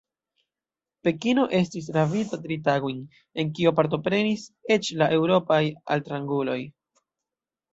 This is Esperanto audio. Pekino estis rabita tri tagojn, en kio partoprenis eĉ la eŭropaj altranguloj.